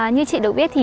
như chị được biết